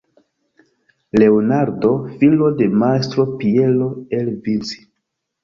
Leonardo, filo de majstro Piero, el Vinci.